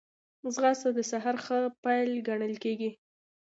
ځغاسته د سهار ښه پيل ګڼل کېږي